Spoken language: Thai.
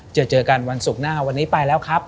เจอเจอกันวันศุกร์หน้าวันนี้ไปแล้วครับ